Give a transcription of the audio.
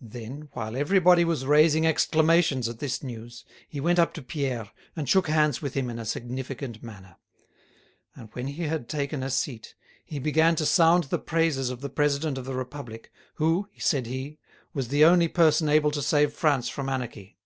Then, while everybody was raising exclamations at this news, he went up to Pierre, and shook hands with him in a significant manner. And when he had taken a seat, he began to sound the praises of the President of the Republic, who, said he, was the only person able to save France from anarchy.